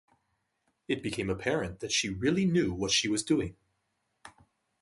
It became apparent that she really knew what she was doing.